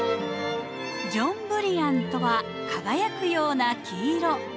‘ジョンブリアン’とは「輝くような黄色」という意味。